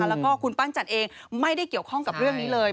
แล้วก็คุณปั้นจันทร์เองไม่ได้เกี่ยวข้องกับเรื่องนี้เลย